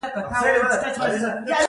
د بادامو مغز د حافظې لپاره ګټور دی.